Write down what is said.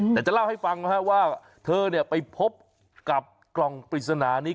แต่จะเล่าให้ฟังว่าเธอไปพบกับกล่องปริศนานี้